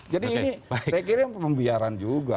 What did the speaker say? jadi ini saya kira pembiaran juga